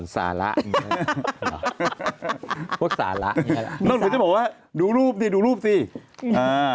สาระพวกสาระนั่นเหมือนจะบอกว่าดูรูปดิดูรูปดิอ่า